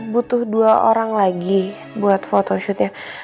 butuh dua orang lagi buat photoshootnya